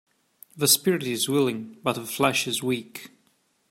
The spirit is willing but the flesh is weak